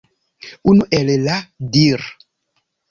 Unu el la dir.